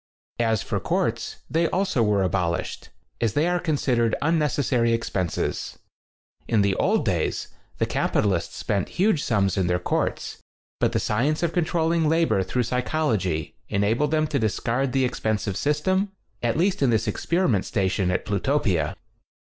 As for courts, they also were abolished, as they are con sidered unnecessary expenses. In the old days, the capitalists spent huge sums in their courts, but the science of controlling labor through psychol ogy enabled them to discard the ex pensive system, at least in this ex periment station at Plutopia.